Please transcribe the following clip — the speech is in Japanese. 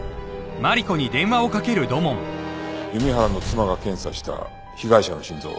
弓原の妻が検査した被害者の心臓。